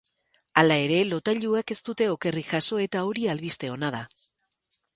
Hala ere, lotailuak ez dute okerrik jaso eta hori albiste ona da.